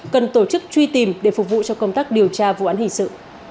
cần tổ chức truy tìm để phục vụ cho công tác điều tra vụ án hình sự